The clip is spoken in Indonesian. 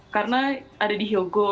karena ada di hyogo